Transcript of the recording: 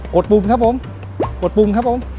ดปุ่มครับผมกดปุ่มครับผม